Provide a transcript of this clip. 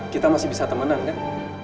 kita masih bisa temenan kan